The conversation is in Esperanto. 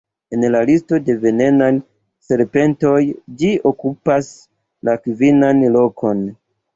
En la listo de venenaj serpentoj ĝi okupas la kvinan lokon.